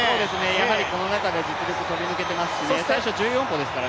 やはりこの中で実力飛び抜けてますし最初１４歩ですから。